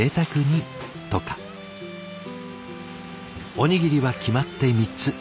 おにぎりは決まって３つ。